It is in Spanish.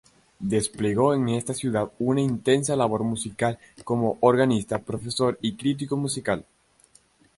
Desplegó en esta ciudad una intensa labor musical como organista, profesor y crítico musical.